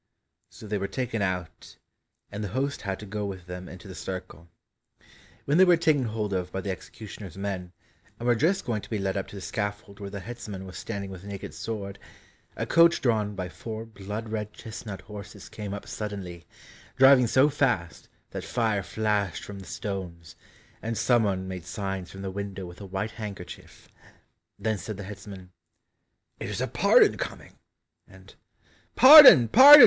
So they were taken out, and the host had to go with them into the circle. When they were taken hold of by the executioner's men, and were just going to be led up to the scaffold where the headsman was standing with naked sword, a coach drawn by four blood red chestnut horses came up suddenly, driving so fast that fire flashed from the stones, and someone made signs from the window with a white handkerchief. Then said the headsman, "It is a pardon coming," and "Pardon! pardon!"